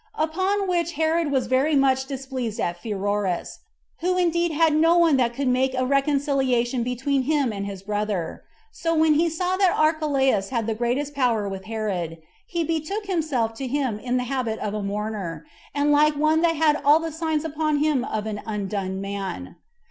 Upon which Herod was very much displeased at Pheroras, who indeed now had no one that could make a reconciliation between him and his brother. So when he saw that Archelaus had the greatest power with Herod, he betook himself to him in the habit of a mourner, and like one that had all the signs upon him of an undone man.